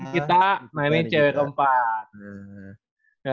kita nah ini cewek keempat